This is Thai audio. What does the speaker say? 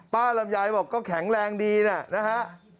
ลำไยบอกก็แข็งแรงดีนะฮะ